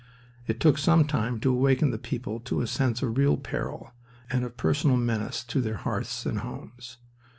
It took some time to awaken the people to a sense of real peril and of personal menace to their hearths and homes.